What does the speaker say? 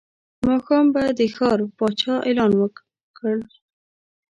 ماښام به د ښار پاچا اعلان وکړ.